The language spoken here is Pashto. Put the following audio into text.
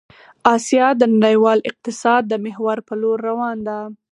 آسيا د نړيوال اقتصاد د محور په لور روان ده